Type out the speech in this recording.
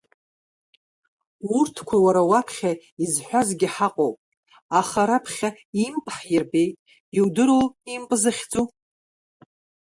Урҭқәа уара уаԥхьа изҳәазгьы ҳаҟоуп, аха раԥхьа имп ҳирбеит, иудыруоу имп захьӡу?